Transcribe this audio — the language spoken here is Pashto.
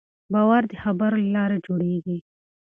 باور د خبرو له لارې جوړېږي.